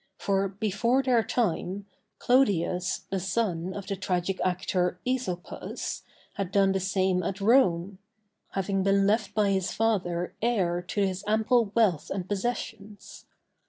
For before their time, Clodius, the son of the tragic actor, Æsopus, had done the same at Rome; having been left by his father heir to his ample wealth and possessions.